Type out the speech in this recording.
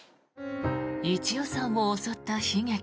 一代さんを襲った悲劇。